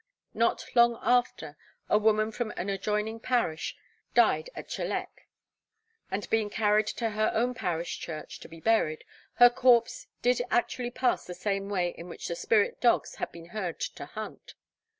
Not long after a woman from an adjoining parish died at Trelech, and being carried to her own parish church to be buried, her corpse did actually pass the same way in which the spirit dogs had been heard to hunt.